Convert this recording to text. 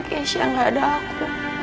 keisha gak ada aku